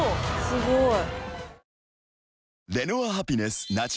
すごい！